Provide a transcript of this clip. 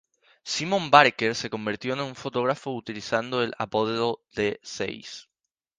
Simon Barker se convirtió en un fotógrafo, utilizando el apodo de "Seis".